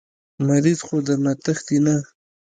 مريض خو درنه تښتي نه.